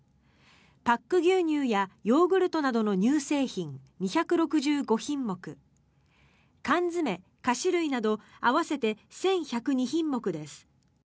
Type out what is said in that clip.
パック牛乳やヨーグルトなどの乳製品、２６５品目缶詰、菓子類など合わせて１１０２品目です。